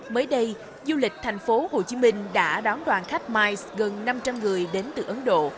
mới đây du lịch thành phố hồ chí minh đã đón đoàn khách miles gần năm trăm linh người đến từ ấn độ